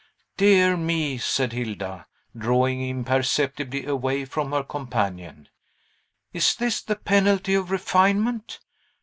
"Dear me!" said Hilda, drawing imperceptibly away from her companion. "Is this the penalty of refinement?